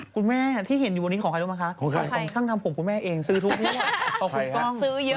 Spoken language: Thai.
คุณแม่ที่เห็นอยู่วันนี้ของใครรู้ไหมคะของช่างทำผมคุณแม่เองซื้อทุกที่